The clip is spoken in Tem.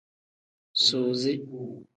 Suuzi.